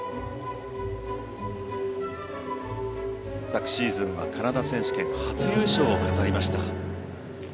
昨シーズンはカナダ選手権初優勝を飾りました。